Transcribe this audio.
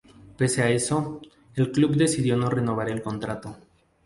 Pese a eso, el club decidió no renovar el contrato.